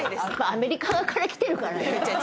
アメリカから来てるからね。